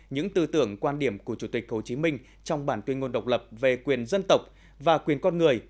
những tư tưởng quan điểm của chủ tịch hồ chí minh trong bản tuyên ngôn độc lập về quyền dân tộc và quyền con người